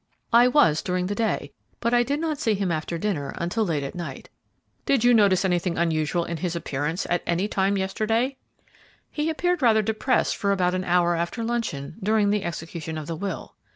"I was during the day, but I did not see him after dinner until late at night." "Did you notice anything unusual in his appearance at any time yesterday?" "He appeared rather depressed for about an hour after luncheon, during the execution of the will."